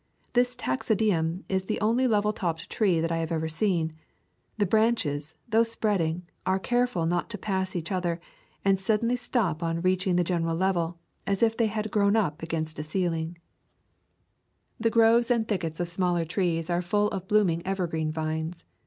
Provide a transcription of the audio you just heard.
This taxodium is the only level topped tree that I have seen. The branches, though spreading, are careful not to pass each other, and stop suddenly on reach ing the general level, as if they had grown up against a ceiling. [ 57] A Thousand Mile Walk The groves and thickets of smaller trees are full of blooming evergreen vines.